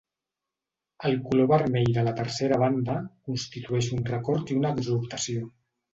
El color vermell de la tercera banda constitueix un record i una exhortació.